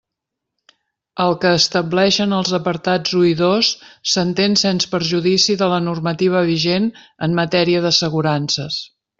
El que estableixen els apartats u i dos s'entén sens perjudici de la normativa vigent en matèria d'assegurances.